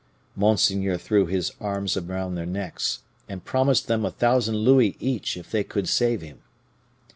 Monseigneur threw his arms around their necks, and promised them a thousand louis each if they could save him.